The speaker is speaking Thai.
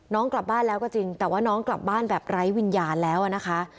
กลับบ้านแล้วก็จริงแต่ว่าน้องกลับบ้านแบบไร้วิญญาณแล้วนะคะ